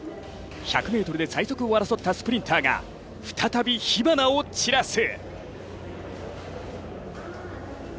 １００ｍで最速を争ったスプリンターが再び火花を散らす。